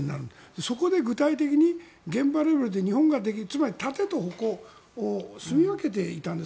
そこで具体的に現場レベルでつまり盾と矛をすみ分けていたんです。